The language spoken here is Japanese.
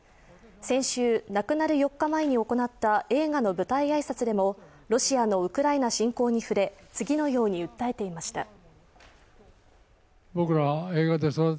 先週、亡くなる４日前に行った映画の舞台挨拶でもロシアのウクライナ侵攻に触れ、次のように訴えていました。